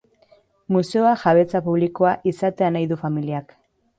Museoa jabetza publikokoa izatea nahi du familiak.